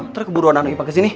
ntar keburu anak anak ipa kesini